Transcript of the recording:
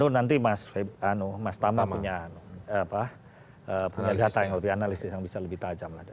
nanti mas tama punya data yang lebih analisis yang bisa lebih tajam lagi